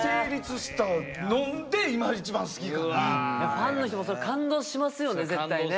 ファンの人も感動しますよね絶対ね。